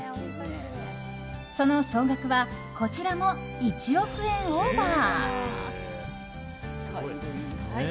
その総額はこちらも１億円オーバー。